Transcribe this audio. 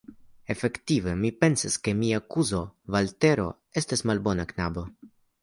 Efektive, mi pensas, ke mia kuzo Valtero estas malbona knabo.